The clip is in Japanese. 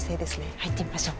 入ってみましょう。